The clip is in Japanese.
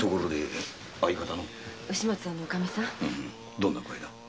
どんな具合だ？